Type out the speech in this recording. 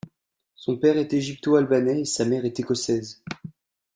Son père est égypto-albanais et sa mère est écossaise.